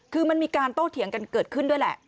คือมันมีการโต้เถียงกันเกิดขึ้นด้วยแหละ